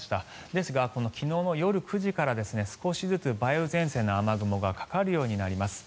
ですが、昨日の夜９時から少しずつ梅雨前線の雨雲がかかるようになります。